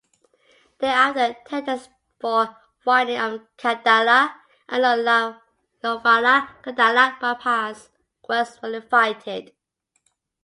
Thereafter tenders for widening of Khandala and Lonavala-Khandala bypass works were invited.